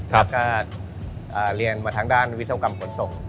แล้วก็เรียนมาทางด้านวิศวกรรมขนส่ง